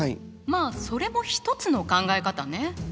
まあそれも一つの考え方ね。